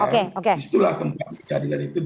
di situlah kemungkinan pengadilan itu